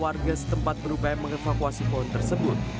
warga setempat berupaya mengevakuasi pohon tersebut